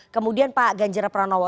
kemudian pak ganjara pranowo